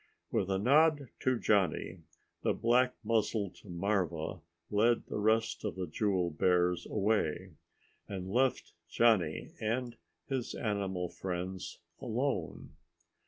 With a nod to Johnny the black muzzled marva led the rest of the jewel bears away, and left Johnny and his animal friends alone.